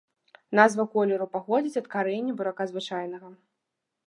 Назва колеру паходзіць ад карэння бурака звычайнага.